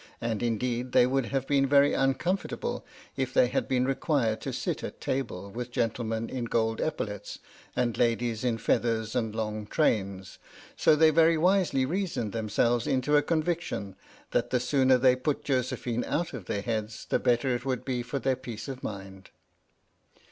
"PINAFORE" and indeed they would have been very uncomfort able if they had been required to sit at table with gentlemen in gold epaulettes, and ladies in feathers and long trains ; so they very wisely reasoned them selves into a conviction that the sooner they put Josephine out of their heads the better it would be for their peace of mind.